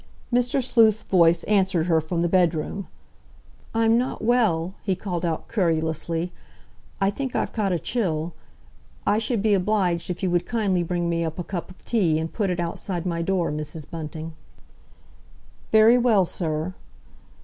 Mr. Sleuth's voice answered her from the bedroom. "I'm not well," he called out querulously; "I think I've caught a chill. I should be obliged if you would kindly bring me up a cup of tea, and put it outside my door, Mrs. Bunting." "Very well, sir."